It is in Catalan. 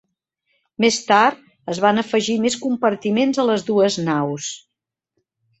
Més tard, es van afegir més compartiments a les dues naus.